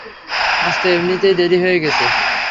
আজ তো এমনিতেই দেরি হয়ে গেছে।